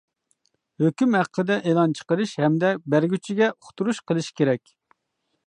ھۆكۈم ھەققىدە ئېلان چىقىرىش ھەمدە بەرگۈچىگە ئۇقتۇرۇش قىلىش كېرەك.